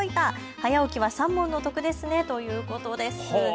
早起きは三文の徳ですねということです。